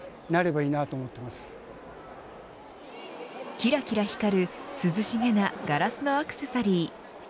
きらきら光る涼しげなガラスのアクセサリー。